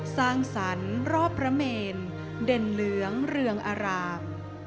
สร้างสรรค์รอบพระเมนเด่นเหลืองเรืองอาราม